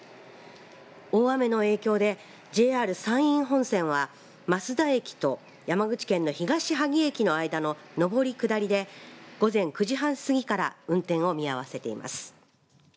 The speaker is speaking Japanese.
大雨の影響でＪＲ山陰本線は益田駅と山口県の東萩駅の間の上り下りで午前９時半すぎから運転を見合わせています。